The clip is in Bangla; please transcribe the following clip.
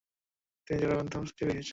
তিনি জ্বরাক্রান্ত অবস্থায় চেরি খাচ্ছিলেন।